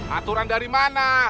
aturan dari mana